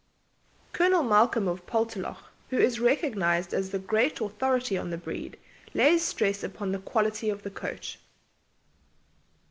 Colonel Malcolm, of Poltalloch, who is recognised as the great authority on the breed, lays stress upon the quality of the coat.